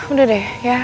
udah deh ya